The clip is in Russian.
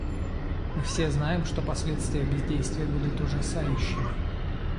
Мы все знаем, что последствия бездействия будут ужасающими.